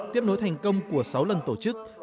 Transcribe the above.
tiếp nối thành công của sáu lần tổ chức